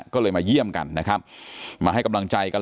ก็เลยมาเยี่ยมกันนะครับมาให้กำลังใจกัน